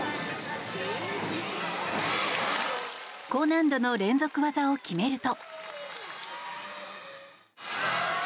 高難度の連続技を決めると。